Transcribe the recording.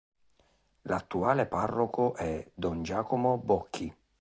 L'attuale parroco è don Giacomo Bocchi.